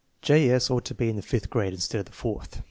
J. S. ought to be in the fifth grade, instead of the fourth.